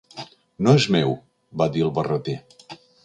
"No és meu", va dir el Barreter.